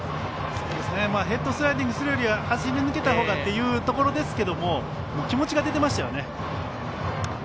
ヘッドスライディングするよりは走り抜けたほうがというところですけど気持ちが出てましたよね。